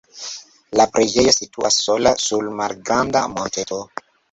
La preĝejo situas sola sur malgranda monteto.